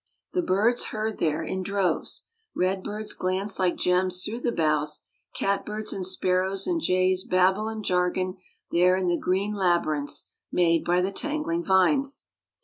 The birds herd there in droves; red birds glance like gems through the boughs; cat birds and sparrows and jays babble and jargon there in the green labyrinths made by the tangling vines.